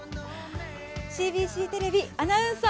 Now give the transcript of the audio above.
ＣＢＣテレビアナウンサー